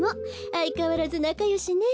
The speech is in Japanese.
あいかわらずなかよしね。